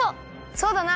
そうだな！